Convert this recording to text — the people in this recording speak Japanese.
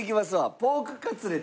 ポークカツレツ。